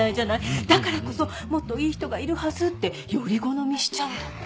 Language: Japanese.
だからこそもっといい人がいるはずってより好みしちゃうんだって。